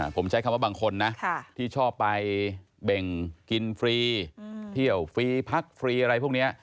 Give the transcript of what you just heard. ผมใช้คำว่าบางคนนะที่ชอบไปเบ่งกินฟรีเที่ยวฟรีพักฟรีอะไรพวกนี้